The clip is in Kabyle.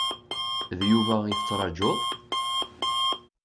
D Yuba i tettrajuḍ?